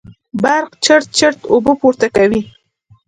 برق چړت چړت اوبه پورته کوي.